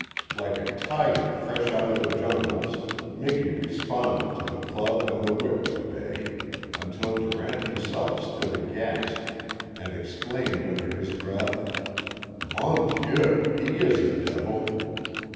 Like a tiger fresh out of the jungles Miki responded to the club and the whip to day, until Durant himself stood aghast, and exclaimed under his breath: "MON DIEU! he is a devil!"